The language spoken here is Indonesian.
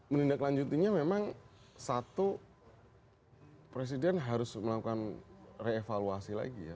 menindaklanjutinya memang satu presiden harus melakukan revaluasi lagi ya